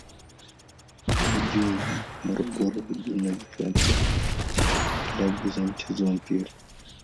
Mji wa Morogoro unajulikana pia kwa klabu za mchezo wa mpira.